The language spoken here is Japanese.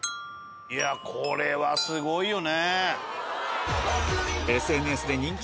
これはすごいよね。